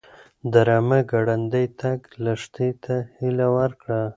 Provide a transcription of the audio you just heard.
د رمه ګړندی تګ لښتې ته هیله ورکړه.